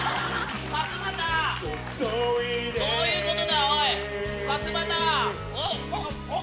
どういうことだ？おっ？